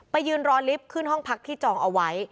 ยืนรอลิฟต์ขึ้นห้องพักที่จองเอาไว้